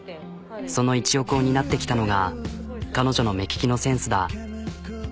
その一翼を担ってきたのが彼女の目利きのセンスだ。